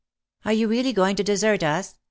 " Are you really going to desert us ?"